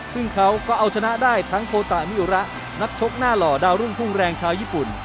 ซึ่งเขาก็เอาชนะได้ทั้งโคตะมิระนักชกหน้าหล่อดาวรุ่งพุ่งแรงชาวญี่ปุ่น